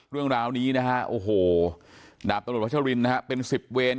เรื่องราวนี้นะครับดาบตำรวจวัชลินเป็น๑๐เวน